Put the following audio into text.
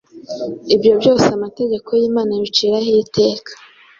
ibyo byose amategeko y’Imana abiciraho iteka.